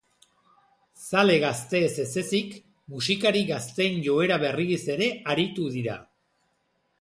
Zale gazteez ezezik, musikari gazteen joera berriez ere aritu dira.